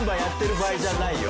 場合じゃないよ。